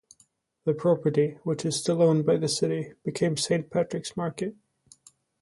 The property, which is still owned by the city, became Saint Patrick's Market.